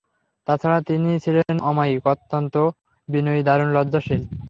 তাছাড়া তিনি ছিলেন অমায়িক, অত্যন্ত বিনয়ী, দারুণ লজ্জাশীল।